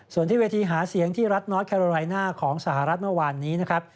ส่วนที่เวทีหาเสียงที่รัฐนอสแคโรไรน่าของสหรัฐเมื่อวานนี้นะครับ